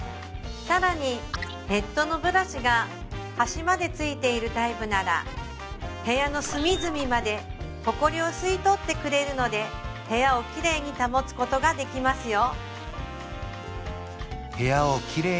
さらにヘッドのブラシが端までついているタイプなら部屋の隅々までホコリを吸い取ってくれるので部屋をきれいに保つことができますよ